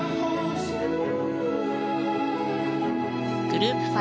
グループ５